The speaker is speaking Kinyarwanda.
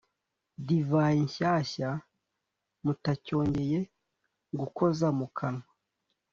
divayi nshyashya mutacyongeye gukoza mu kanwa!